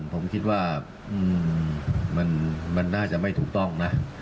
ผมคิดว่ามันน่าจะไม่ถูกต้องนะ